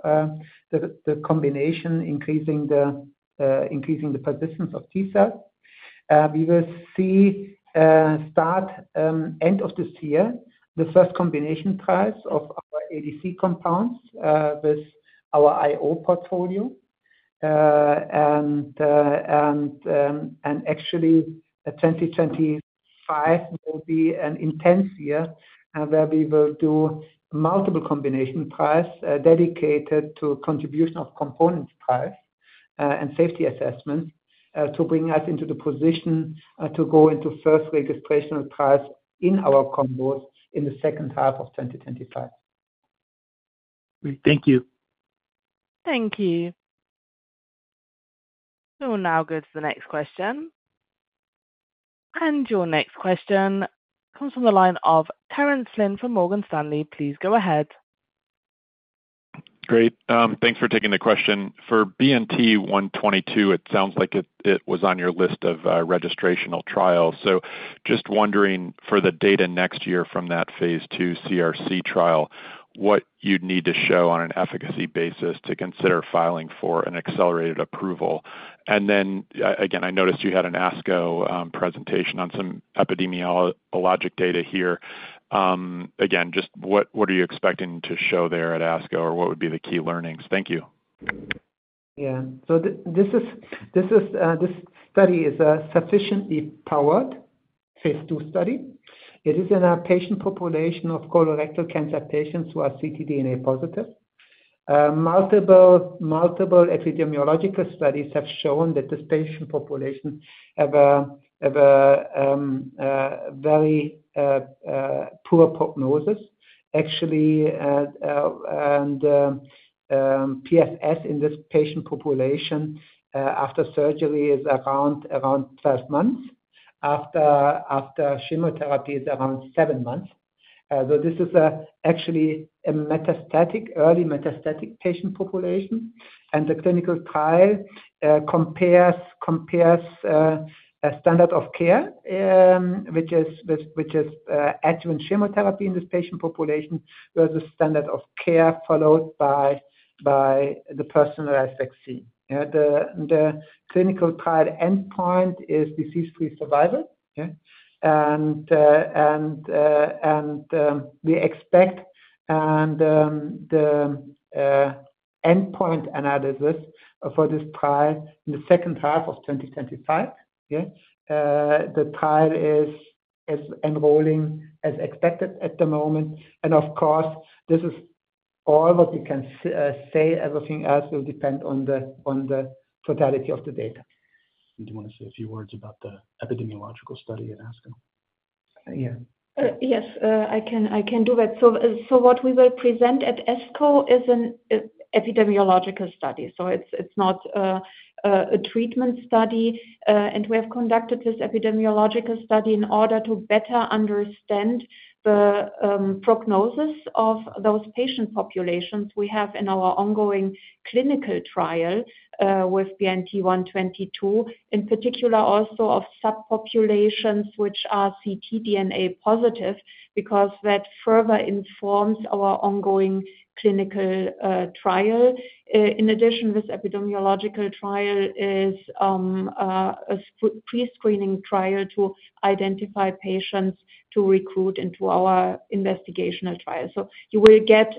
the combination increasing the persistence of T-cells. We will start end of this year the first combination trials of our ADC compounds with our IO portfolio. And actually, 2025 will be an intense year, where we will do multiple combination trials, dedicated to contribution of components trials, and safety assessments, to bring us into the position, to go into first registrational trials in our combos in the second half of 2025. Thank you. Thank you. We will now go to the next question. Your next question comes from the line of Terence Flynn from Morgan Stanley. Please go ahead. Great. Thanks for taking the question. For BNT122, it sounds like it was on your list of registrational trials. So just wondering, for the data next year from that phase II CRC trial, what you'd need to show on an efficacy basis to consider filing for an accelerated approval? And then, again, I noticed you had an ASCO presentation on some epidemiologic data here. Again, just what are you expecting to show there at ASCO, or what would be the key learnings? Thank you. Yeah. So this is a sufficiently powered phase II study. It is in a patient population of colorectal cancer patients who are ctDNA positive. Multiple epidemiological studies have shown that this patient population have a very poor prognosis. Actually, PFS in this patient population, after surgery is around five months, after chemotherapy is around seven months. So this is actually a metastatic, early metastatic patient population. And the clinical trial compares a standard of care, which is adjuvant chemotherapy in this patient population, where the standard of care followed by the personalized vaccine. Yeah, the clinical trial endpoint is disease-free survival, okay? We expect the endpoint analysis for this trial in the second half of 2025, yeah. The trial is enrolling as expected at the moment. And of course, this is all what we can say. Everything else will depend on the totality of the data. Do you want to say a few words about the epidemiological study at ASCO? Yeah. Yes, I can do that. So what we will present at ASCO is an epidemiological study. So it's not a treatment study. And we have conducted this epidemiological study in order to better understand the prognosis of those patient populations we have in our ongoing clinical trial with BNT122, in particular, also of subpopulations which are ctDNA positive, because that further informs our ongoing clinical trial. In addition, this epidemiological trial is a pre-screening trial to identify patients to recruit into our investigational trial. So you will get,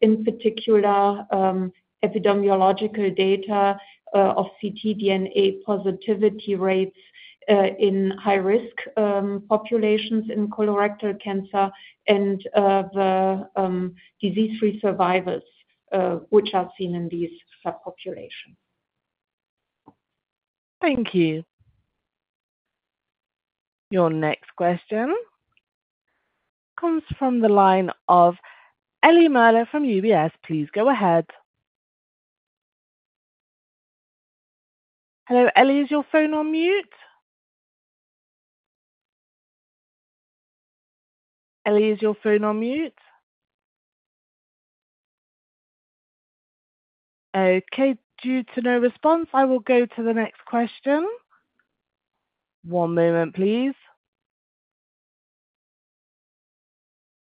in particular, epidemiological data of ctDNA positivity rates in high risk populations in colorectal cancer and the disease-free survivors which are seen in these subpopulations. Thank you. Your next question comes from the line of Ellie Merle from UBS. Please go ahead. Hello, Ellie, is your phone on mute? Ellie, is your phone on mute? Okay, due to no response, I will go to the next question. One moment, please.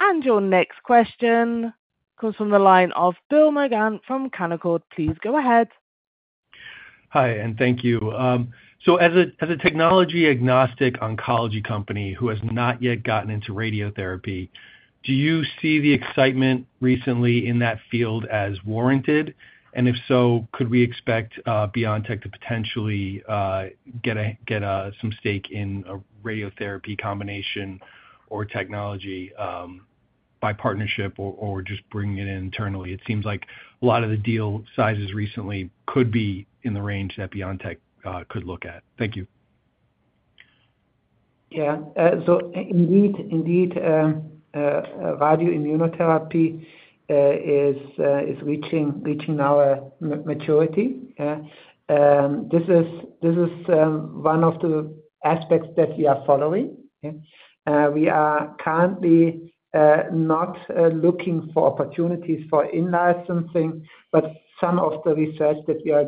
And your next question comes from the line of Bill Maughan from Canaccord. Please go ahead. Hi, and thank you. So as a technology agnostic oncology company who has not yet gotten into radiotherapy, do you see the excitement recently in that field as warranted? And if so, could we expect BioNTech to potentially get some stake in a radiotherapy combination or technology, by partnership or just bringing it in internally? It seems like a lot of the deal sizes recently could be in the range that BioNTech could look at. Thank you. Yeah. So indeed, radioimmunotherapy is reaching our maturity. This is one of the aspects that we are following. We are currently not looking for opportunities for in-licensing, but some of the research that we are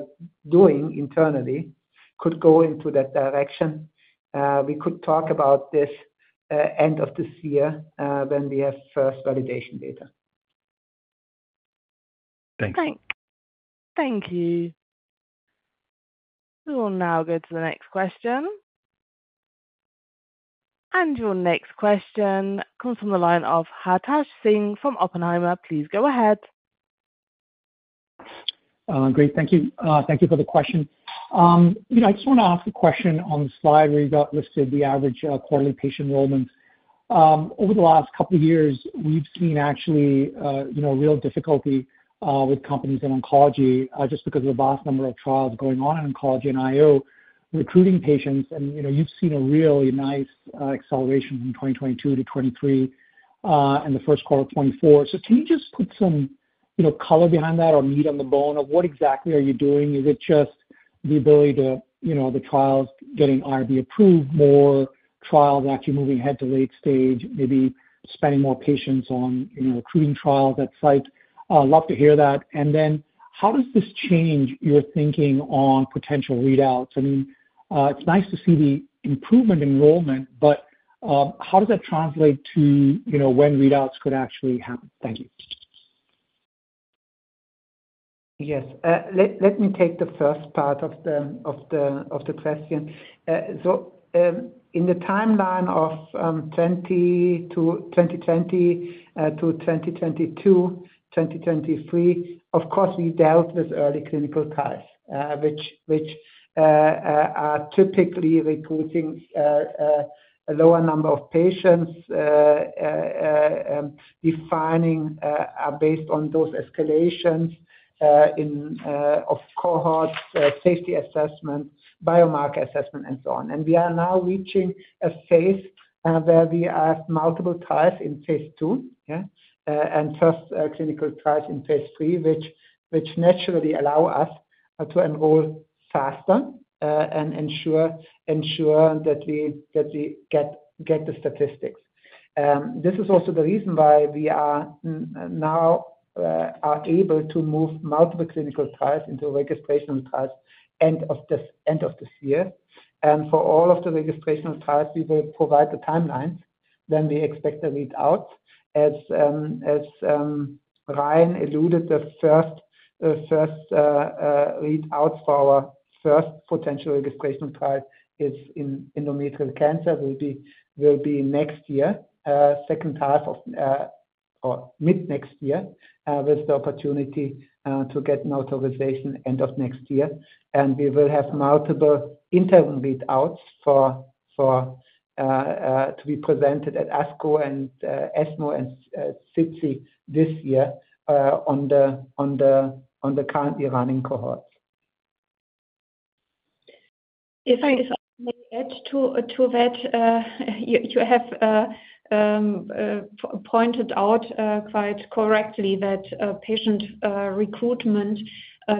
doing internally could go into that direction. We could talk about this end of this year when we have first validation data. Thanks. Thank you. We will now go to the next question. Your next question comes from the line of Hartaj Singh from Oppenheimer. Please go ahead. Great, thank you. Thank you for the question. You know, I just want to ask a question on the slide where you got listed the average quarterly patient enrollment. Over the last couple of years, we've seen actually, you know, real difficulty with companies in oncology just because of the vast number of trials going on in oncology and IO, recruiting patients. And, you know, you've seen a really nice acceleration from 2022 to 2023 and the first quarter of 2024. So can you just put some, you know, color behind that or meat on the bone of what exactly are you doing? Is it just the ability to, you know, the trials getting IRB approved, more trials actually moving ahead to late stage, maybe spending more patients on, you know, recruiting trials at site? Love to hear that. And then how does this change your thinking on potential readouts? I mean, it's nice to see the improvement in enrollment, but how does that translate to, you know, when readouts could actually happen? Thank you. Yes. Let me take the first part of the question. So, in the timeline of 2020 to 2022, 2023, of course, we dealt with early clinical trials, which are typically recruiting defining based on those escalations in of cohorts safety assessments, biomarker assessment, and so on. And we are now reaching a phase where we have multiple trials in phase II, yeah, and first clinical trials in phase III, which naturally allow us to enroll faster, and ensure that we get the statistics. This is also the reason why we are now able to move multiple clinical trials into registration trials end of this year. For all of the registrational trials, we will provide the timelines, then we expect the readouts. As Ryan alluded, the first readouts for our first potential registrational trial is in endometrial cancer, will be next year, second half or mid-next year. With the opportunity to get an authorization end of next year. We will have multiple interim readouts for to be presented at ASCO and ESMO and SITC this year, on the currently running cohorts. If I may add to that, you have pointed out quite correctly that patient recruitment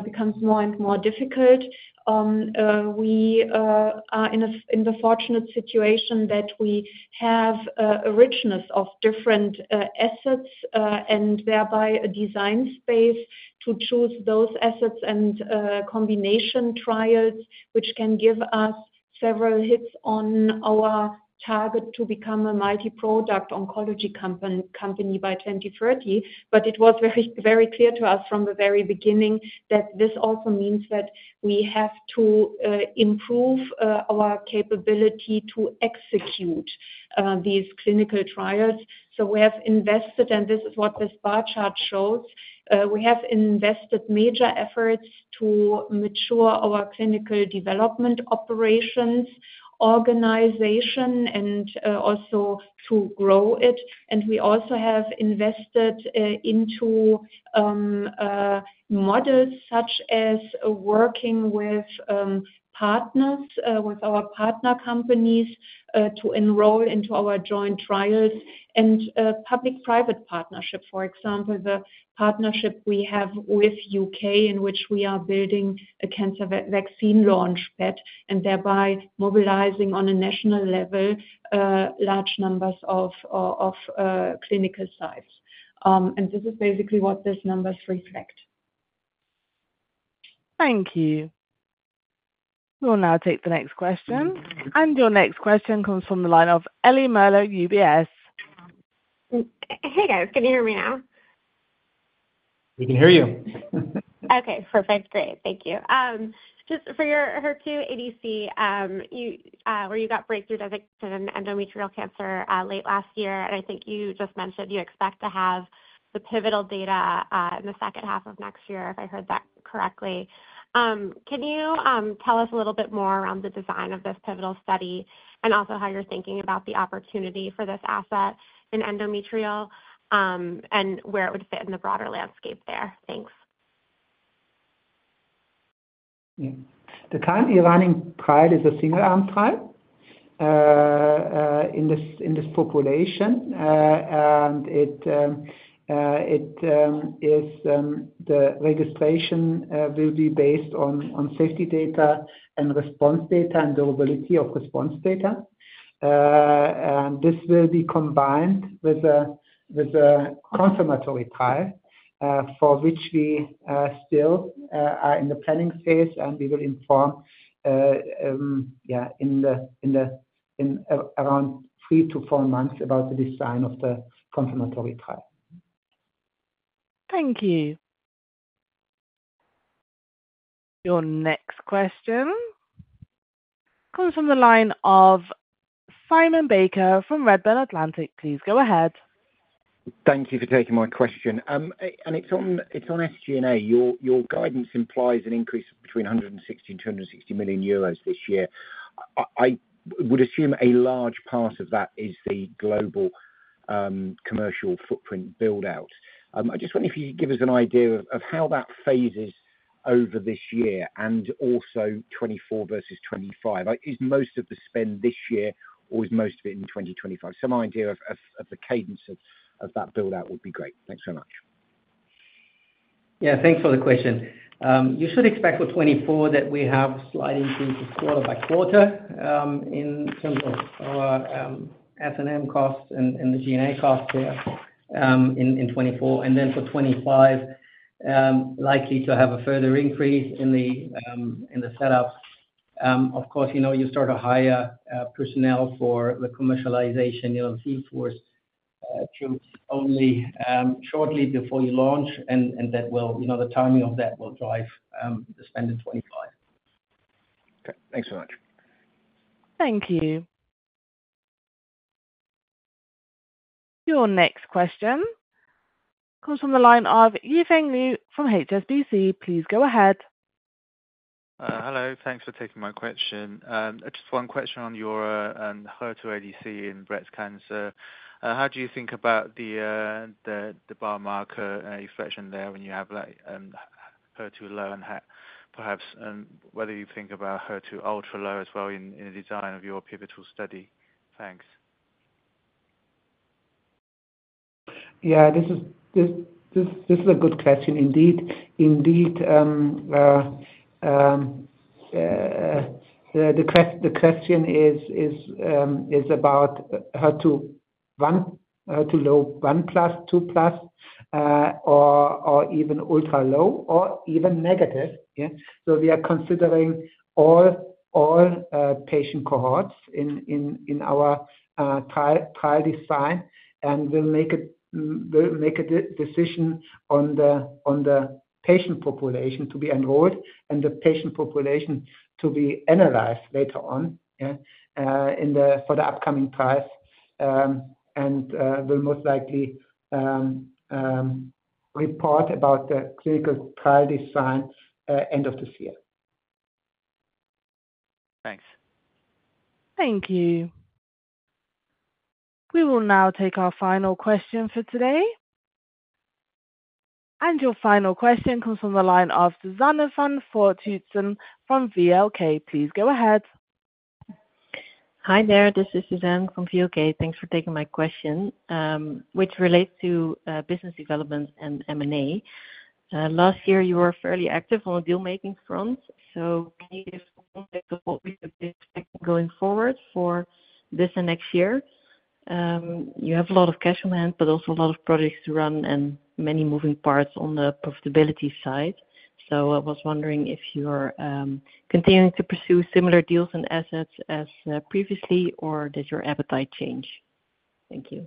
becomes more and more difficult. We are in the fortunate situation that we have a richness of different assets, and thereby a design space to choose those assets and combination trials, which can give us several hits on our target to become a multi-product oncology company by 2030. But it was very, very clear to us from the very beginning that this also means that we have to improve our capability to execute these clinical trials. So we have invested, and this is what this bar chart shows. We have invested major efforts to mature our clinical development operations, organization, and also to grow it. We also have invested into models such as working with partners with our partner companies to enroll into our joint trials. Public-private partnership, for example, the partnership we have with UK, in which we are building a Cancer Vaccine Launch Pad, and thereby mobilizing on a national level large numbers of clinical sites. This is basically what these numbers reflect.... Thank you. We'll now take the next question. Your next question comes from the line of Ellie Merle, UBS. Hey, guys. Can you hear me now? We can hear you. Okay, perfect. Great. Thank you. Just for your HER2 ADC, where you got breakthrough designation in endometrial cancer, late last year, and I think you just mentioned you expect to have the pivotal data in the second half of next year, if I heard that correctly. Can you tell us a little bit more around the design of this pivotal study, and also how you're thinking about the opportunity for this asset in endometrial, and where it would fit in the broader landscape there? Thanks. The current running trial is a single-arm trial in this population. And it is the registration will be based on safety data and response data and durability of response data. And this will be combined with a confirmatory trial for which we still are in the planning phase, and we will inform around three to four months about the design of the confirmatory trial. Thank you. Your next question comes from the line of Simon Baker from Redburn Atlantic. Please go ahead. Thank you for taking my question. It's on SG&A. Your guidance implies an increase between 100 million euros and 260 million euros this year. I would assume a large part of that is the global commercial footprint build-out. I just wonder if you could give us an idea of how that phases over this year and also 2024 versus 2025. Is most of the spend this year, or is most of it in 2025? Some idea of the cadence of that build-out would be great. Thanks so much. Yeah, thanks for the question. You should expect for 2024 that we have sliding into quarter by quarter, in terms of our S&M costs and the G&A costs there, in 2024. And then for 2025, likely to have a further increase in the setup. Of course, you know, you start to hire personnel for the commercialization, your salesforce, to only shortly before you launch, and that will... You know, the timing of that will drive the spend in 2025. Okay. Thanks so much. Thank you. Your next question comes from the line of Yifeng Liu from HSBC. Please go ahead. Hello. Thanks for taking my question. Just one question on your HER2 ADC in breast cancer. How do you think about the biomarker expression there when you have like HER2 low and high, perhaps, and whether you think about HER2 ultra low as well in the design of your pivotal study? Thanks. Yeah, this is a good question indeed. Indeed, the question is about HER2 1, HER2-low 1+, 2+, or even ultra-low or even negative. Yeah. So we are considering all patient cohorts in our trial design, and we'll make a decision on the patient population to be enrolled and the patient population to be analyzed later on, yeah, in the upcoming trials. And we'll most likely report about the clinical trial designs end of this year. Thanks. Thank you. We will now take our final question for today. And your final question comes from the line of Suzanne van Voorthuizen from VLK. Please go ahead. Hi there. This is Suzanne from VLK. Thanks for taking my question, which relates to business development and M&A. Last year you were fairly active on the deal-making front, so can you give us an update of what we can expect going forward for this and next year? You have a lot of cash on hand, but also a lot of products to run and many moving parts on the profitability side. So I was wondering if you're continuing to pursue similar deals and assets as previously, or does your appetite change? Thank you.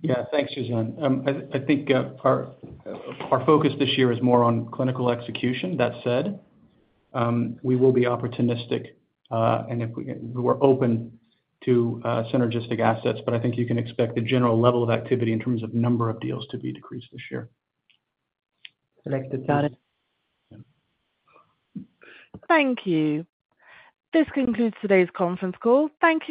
Yeah. Thanks, Suzanne. I think our focus this year is more on clinical execution. That said, we will be opportunistic, and we're open to synergistic assets, but I think you can expect the general level of activity in terms of number of deals to be decreased this year. Selective. Got it. Thank you. This concludes today's conference call. Thank you-